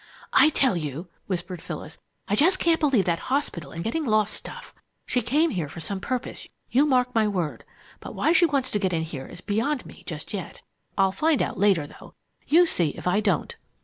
"I tell you," whispered Phyllis, "I just can't believe that hospital and getting lost stuff! She came out here for some purpose, you mark my word! But why she wants to get in here is beyond me just yet. I'll find out later, though, you see if I don't!"